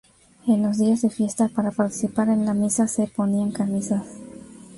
En los días de fiesta para participar en la misa se ponían camisas.